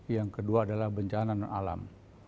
yang kedua adalah bencana non alam